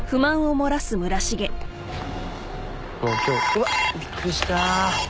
うわ。びっくりした。